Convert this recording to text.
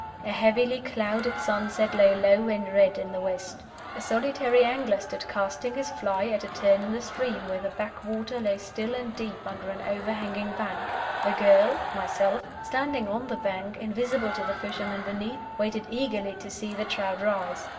A heavily clouded sunset lay low and red in the west. A solitary angler stood casting his fly at a turn in the stream where the backwater lay still and deep under an overhanging bank. A girl (myself) standing on the bank, invisible to the fisherman beneath, waited eagerly to see the trout rise.